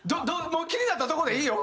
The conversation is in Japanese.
気になったところでいいよ。